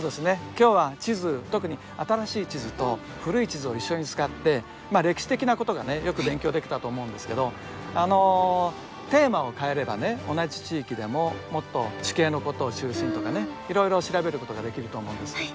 今日は地図特に新しい地図と古い地図を一緒に使って歴史的なことがよく勉強できたと思うんですけどテーマを変えればね同じ地域でももっと地形のことを中心にとかねいろいろ調べることができると思うんです。